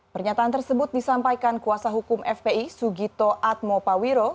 pernyataan tersebut disampaikan kuasa hukum fpi sugito atmopawiro